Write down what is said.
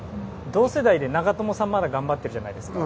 同世代で長友さんがまだ頑張ってるじゃないですか。